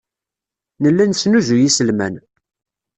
Nella nesnuzuy iselman.